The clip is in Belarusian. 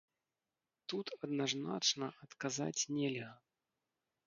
Тут адназначна адказаць нельга.